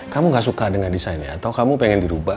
kamu gak suka dengan desainnya atau kamu pengen dirubah